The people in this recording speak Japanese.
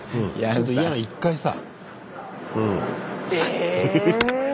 ちょっとヤン１回さ。